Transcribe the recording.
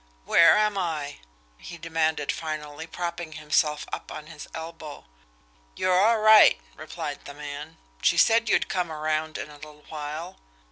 "Where am I?" he demanded finally, propping himself up on his elbow. "You're all right," replied the man. "She said you'd come around in a little while."